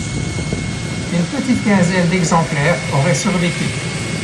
Une petite quinzaine d'exemplaires aurait survécu.